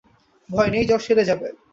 ভয় নেই, জ্বর সেরে যাবে।